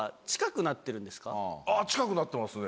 近くなってますね。